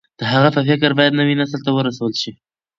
د هغه فکر بايد نوي نسل ته ورسول شي.